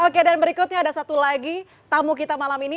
oke dan berikutnya ada satu lagi tamu kita malam ini